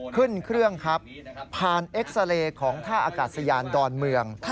ขึ้นเครื่องครับผ่านเอ็กซาเรย์ของท่าอากาศยานดอนเมือง